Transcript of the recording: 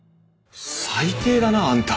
最低だなあんた。